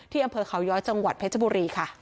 อำเภอเขาย้อยจังหวัดเพชรบุรีค่ะ